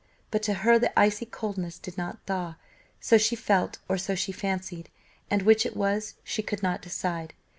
But to her the icy coldness did not thaw. So she felt, or so she fancied, and which it was she could not decide.